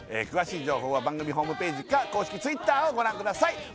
詳しい情報は番組ホームページか公式Ｔｗｉｔｔｅｒをご覧ください